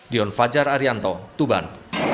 dion fajar arianto tuban